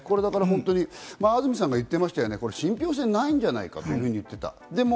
安住さんが言ってましたね、信ぴょう性がないんじゃないかと言っていた。